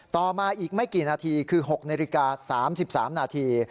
ต่อมาอีกไม่กี่นาทีคือ๖นาฬิกา๓๓นาที